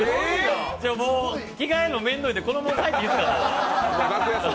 着替えるのめんどいんでこのまま帰っていいですか？